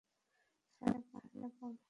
সাবধানে, বোন।